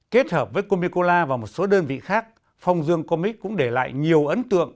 kết hợp với comicola và một số đơn vị khác phong dương comics cũng để lại nhiều ấn tượng